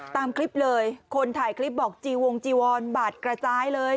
ตามคลิปเลยคนถ่ายคลิปบอกจีวงจีวอนบาดกระจายเลย